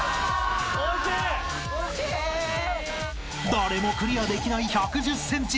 ［誰もクリアできない１１０ｃｍ］